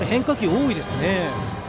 多いですね。